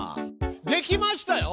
できましたよ！